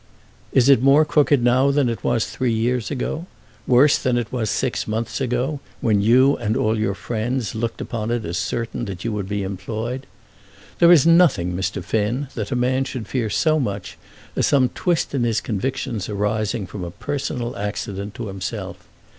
"Is it more crooked now than it was three years ago; worse than it was six months ago, when you and all your friends looked upon it as certain that you would be employed? There is nothing, Mr. Finn, that a man should fear so much as some twist in his convictions arising from a personal accident to himself.